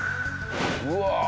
うわ！